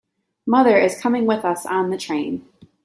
Mother is coming with us on the train.